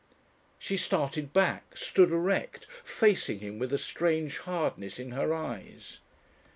She started back, stood erect, facing him with a strange hardness in her eyes.